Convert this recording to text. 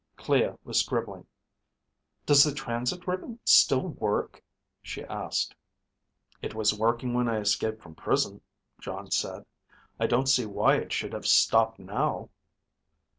Clea was scribbling. "Does the transit ribbon still work?" she asked. "It was working when I escaped from prison," Jon said. "I don't see why it should have stopped now."